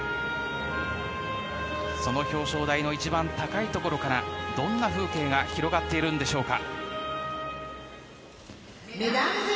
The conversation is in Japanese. その表彰台の一番高いところからどんな風景が広がっているんでしょうか。